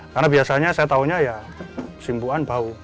karena biasanya saya tahunya ya simbuan bau